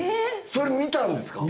それ見たんですか？